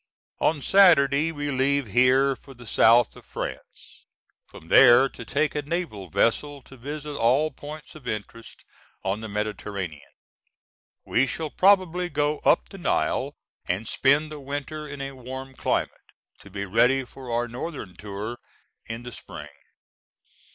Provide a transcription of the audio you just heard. On Saturday we leave here for the South of France, from there to take a naval vessel to visit all points of interest on the Mediterranean. We shall probably go up the Nile, and spend the winter in a warm climate, to be ready for our northern tour in the spring.